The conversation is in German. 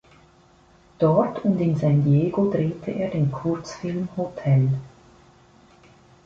Dort und in San Diego drehte er den Kurzfilm "Hotel".